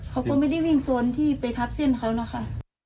เขาก็ไม่ได้วิ่งโซนที่ไปทับเส้นเขานะคะ